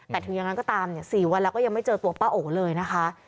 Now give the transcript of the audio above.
แต่ถึงอย่างนั้นก็ตาม๔วันแล้วก็ยังไม่เจอตัวป้าโอเลยนะคะ